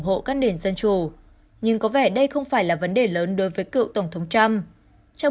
hộ các nền dân chủ nhưng có vẻ đây không phải là vấn đề lớn đối với cựu tổng thống trump trong